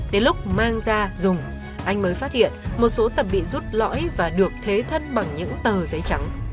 đến lúc mang ra dùng anh mới phát hiện một số tập bị rút lõi và được thế thân bằng những tờ giấy trắng